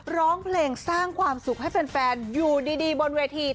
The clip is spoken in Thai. ร้องเพลงสร้างความสุขให้แฟนอยู่ดีบนเวที